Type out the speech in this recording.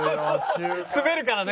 滑るからね。